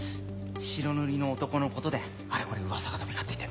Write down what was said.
白塗りの男のことであれこれ噂が飛び交っていて。